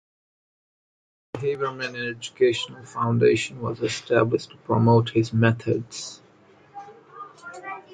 The Haberman Educational Foundation was established to promote his methods.